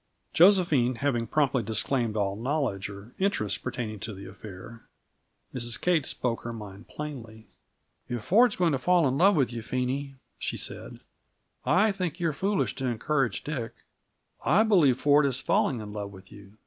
Josephine, having promptly disclaimed all knowledge or interest pertaining to the affair, Mrs. Kate spoke her mind plainly. "If Ford's going to fall in love with you, Phenie," she said, "I think you're foolish to encourage Dick. I believe Ford is falling in love with you.